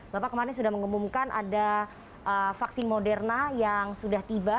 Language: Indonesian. bapak kemarin sudah mengumumkan ada vaksin moderna yang sudah tiba